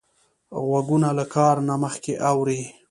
غوږونه له کار نه مخکې اوري